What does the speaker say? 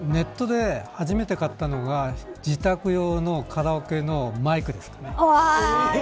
ネットで、初めて買ったのが自宅用のカラオケのいいですね。